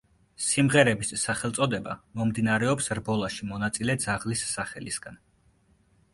სიმღერების სახელწოდება მომდინარეობს რბოლაში მონაწილე ძაღლის სახელისგან.